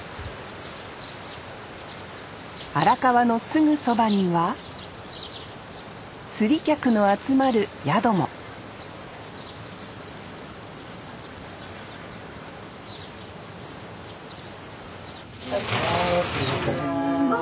荒川のすぐそばには釣り客の集まる宿もこんにちは。